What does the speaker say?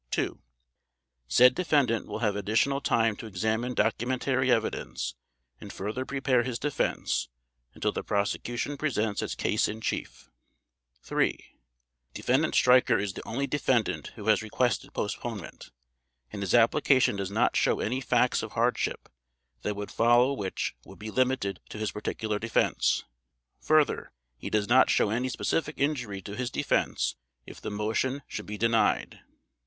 (2) Said defendant will have additional time to examine documentary evidence and further prepare his defense until the Prosecution presents its Case in Chief. (3) Defendant STREICHER is the only defendant who has requested postponement, and his application does not show any facts of hardship that would follow which would be limited to his particular defense. Further he does not show any specific injury to his defense if the Motion should be denied.